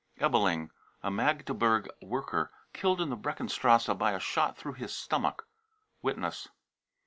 ebeling, a Magdeburg worker, killed in the Breckenstrasse by a shot through his stomach. (Witness.)